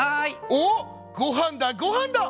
「おっごはんだごはんだ！